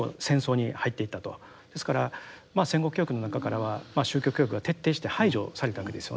ですから戦後教育の中からは宗教教育が徹底して排除されたわけですよね。